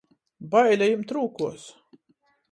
Baile jimt rūkuos.